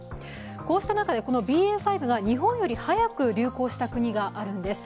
こうした中でＢＡ．５が日本より早く流行した国があるんです。